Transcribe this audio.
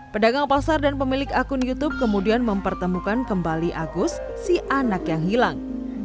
pedagang pasar dan pemilik akun youtube kemudian mempertemukan kembali agus si anak yang hilang